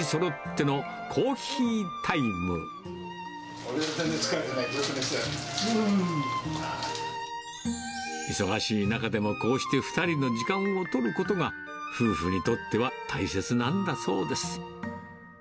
俺は全然疲れてないけど、忙しい中でも、こうして２人の時間を取ることが、夫婦にとっては大切なんだそうです。